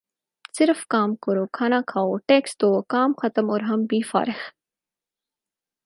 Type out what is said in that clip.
صرف کام کرو کھانا کھاؤ ٹیکس دو کام ختم اور ہم بھی فارخ